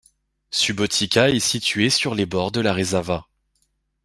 Subotica est située sur les bords de la Resava.